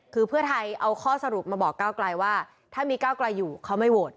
คือเพื่อไทยเอาข้อสรุปมาบอกก้าวไกลว่าถ้ามีก้าวไกลอยู่เขาไม่โหวต